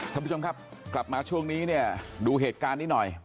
ท่านผู้ชมครับกลับมาช่วงนี้เนี่ยดูเหตุการณ์นี้หน่อย